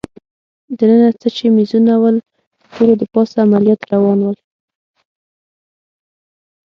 دننه څه چي مېزونه ول، د ټولو له پاسه عملیات روان ول.